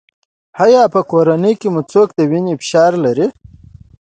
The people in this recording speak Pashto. ایا په کورنۍ کې مو څوک د وینې فشار لري؟